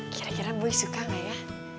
kira kira boy suka gak ya